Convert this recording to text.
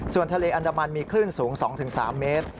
ส่วนทะเลอันดามันมีคลื่นสูง๒๓เมตร